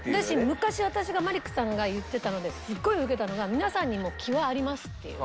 昔私がマリックさんが言ってたのですごいウケたのが「皆さんにも気はあります」っていう。